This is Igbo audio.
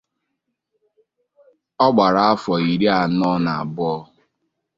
Ọ gbara afọ iri anọ n’abụọ